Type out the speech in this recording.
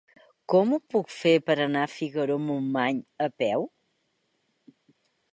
Com ho puc fer per anar a Figaró-Montmany a peu?